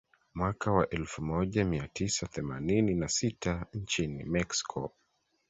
Mwaka wa elfu moja mia tisa themanini na sita nchini Mexico